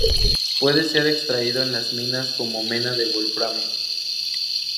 Puede ser extraído en las minas como mena del wolframio.